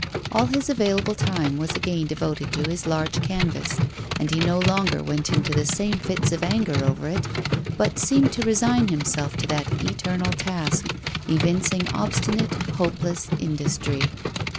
All his available time was again devoted to his large canvas, and he no longer went into the same fits of anger over it, but seemed to resign himself to that eternal task, evincing obstinate, hopeless industry.